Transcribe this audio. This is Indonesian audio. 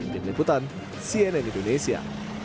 pemimpin liputan cnn indonesia